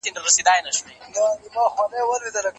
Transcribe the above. علمي څېړنې ته ارزښت ورکړئ.